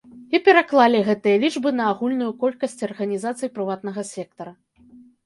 І пераклалі гэтыя лічбы на агульную колькасць арганізацый прыватнага сектара.